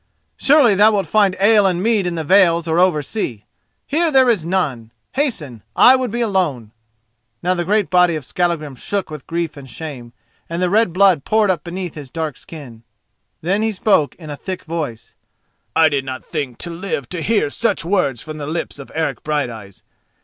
"Surely thou wilt find ale and mead in the vales or oversea. Here there is none. Hasten! I would be alone!" Now the great body of Skallagrim shook with grief and shame, and the red blood poured up beneath his dark sin. Then he spoke in a thick voice: "I did not think to live to hear such words from the lips of Eric Brighteyes.